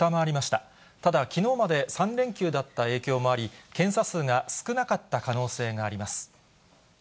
ただ、きのうまで３連休だった影響もあり、検査数が少なかった可能性があります。